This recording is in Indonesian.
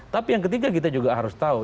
tapi yang ketiga kita juga harus tahu